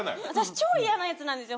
超嫌なヤツなんですよ